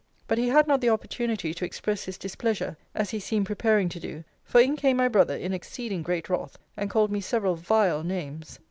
But he had not the opportunity to express his displeasure, as he seemed preparing to do; for in came my brother in exceeding great wrath; and called me several vile names.